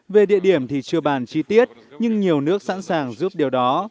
về địa điểm thì chưa bàn chi tiết nhưng nhiều nước sẵn sàng giúp điều đó